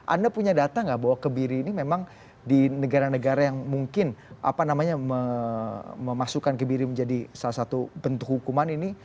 anda punya data nggak bahwa kebiri ini memang di negara negara yang mungkin memasukkan kebiri menjadi salah satu bentuk hukuman ini